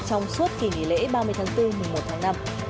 trong suốt kỳ nghỉ lễ ba mươi tháng bốn một mươi một tháng năm